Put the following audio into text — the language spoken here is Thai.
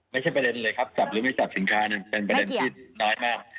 ไม่ใช่ประเด็นเลยครับจับหรือไม่จับสินค้าเนี่ยเป็นประเด็นที่น้อยมาก